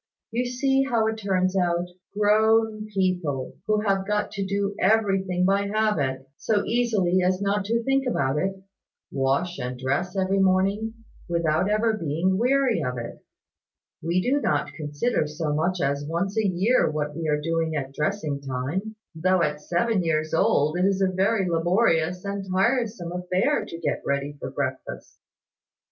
You see how it turns out. Grown people, who have got to do everything by habit, so easily as not to think about it, wash and dress every morning, without ever being weary of it. We do not consider so much as once a year what we are doing at dressing time, though at seven years old it is a very laborious and tiresome affair to get ready for breakfast."